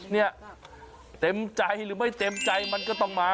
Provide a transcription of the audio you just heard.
เนี่ยเต็มใจหรือไม่เต็มใจมันก็ต้องมา